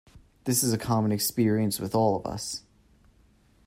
This is a common experience with all of us.